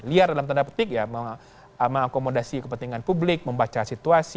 liar dalam tanda petik ya mengakomodasi kepentingan publik membaca situasi